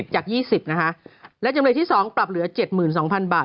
จาก๒๐นะคะและจำเลยที่๒ปรับเหลือ๗๒๐๐บาท